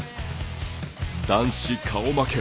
男子顔負け。